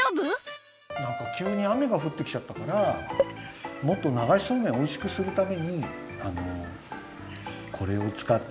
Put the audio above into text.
なんかきゅうに雨がふってきちゃったからもっと流しそうめんをおいしくするためにこれをつかっておはし。